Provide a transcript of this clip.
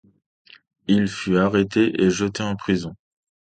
Il fut arrêté et jeté en prison.